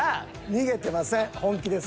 逃げてません本気です。